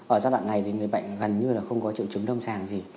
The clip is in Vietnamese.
ở giai đoạn này thì người bệnh gần như không có triệu chứng đông sàng gì